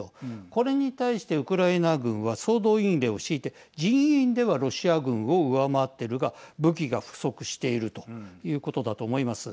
これに対してウクライナ軍は総動員令を敷いて人員ではロシア軍を上回っているが武器が不足しているということだと思います。